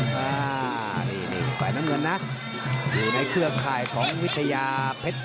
ฝ่ายน้ำเงินนะอยู่ในเครื่องค่ายของวิทยาเพชร๔๐๐๐๐